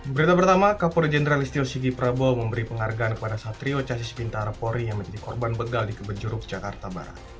berita pertama kaporri jenderal istiho sidipra bow memberi penghargaan kepada satrio chasis pintar pory yang menjadi korban begal di kebenjuruk jakarta barat